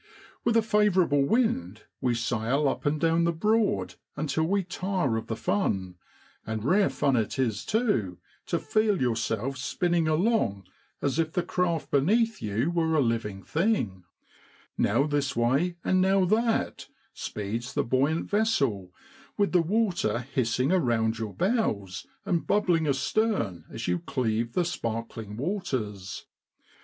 With a favourable wind we sail up and down the Broad until we tire of the fun; and rare fun it is, too, to feel yourself spinning along as if the craft beneath you were a living thing now this way and now that, speeds the buoyant vessel, with the water hissing around your bows, and bubbling astern as you cleave the sparkling waters.